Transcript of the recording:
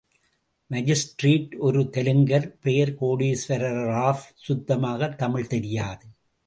Magistrate ஒரு தெலுங்கர், பெயர் கோடீஸ்வர ராவ், சுத்தமாகத் தமிழ் தெரியாது.